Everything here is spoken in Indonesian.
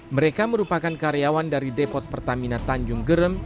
mereka merupakan karyawan dari depot pertamina tanjung gerem